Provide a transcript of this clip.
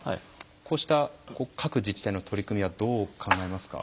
こうした各自治体の取り組みはどう考えますか？